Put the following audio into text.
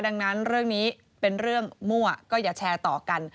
ดังนั้นเรื่องนี้เป็นเรื่องมั่วก็อย่าแชร์ต่อกัน